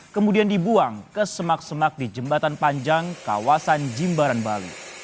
kemudian dibuang ke semak semak di jembatan panjang kawasan jimbaran bali